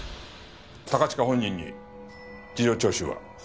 高近本人に事情聴取は？